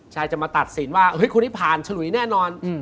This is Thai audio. ชายจะมาตัดสินว่าคุณนี่ผ่านชะลุนี้แน่นอน